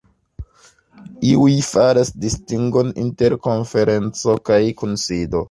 Iuj faras distingon inter konferenco kaj kunsido.